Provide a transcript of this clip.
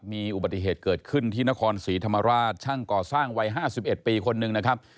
มีอุบัติเหตุเกิดขึ้นที่นครศรีธรรมราชช่างก่อสร้างวัย๕๑ปีคนหนึ่งนะครับ